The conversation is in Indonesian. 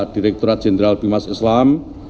direkturat jenderal bimas islam